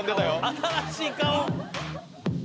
新しい顔！